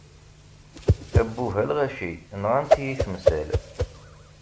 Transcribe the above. Abbuh a lɣaci, nɣant-iyi temsal.